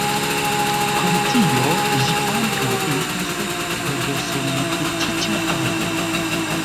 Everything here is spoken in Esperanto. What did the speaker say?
Krom tio ĝi ankaŭ estas bdsm-fetiĉa ago.